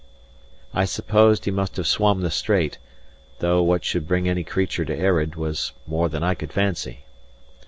I supposed he must have swum the strait; though what should bring any creature to Earraid, was more than I could fancy.